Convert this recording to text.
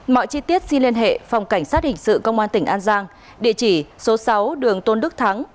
mọi chi tiết xin liên hệ phòng cảnh sát hình sự công an tỉnh an giang địa chỉ số sáu đường tôn đức thắng